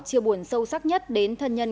chiêu buồn sâu sắc nhất đến thân nhân